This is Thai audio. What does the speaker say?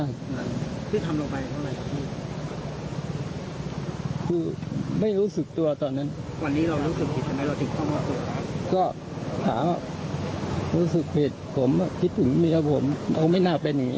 ก็ถามว่ารู้สึกผิดผมคิดถึงเมียผมผมไม่น่าเป็นอย่างนี้